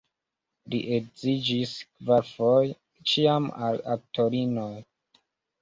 Li edziĝis kvarfoje, ĉiam al aktorinoj.